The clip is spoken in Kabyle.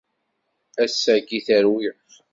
Ass-agi terwi.